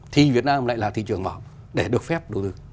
thì việt nam lại là thị trường mở để được phép đầu tư